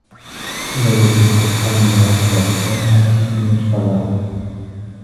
فَلَا يَجِدُ صِدْقًا يُعْذَبُ وَلَا حَدِيثًا يُسْتَظْرَفُ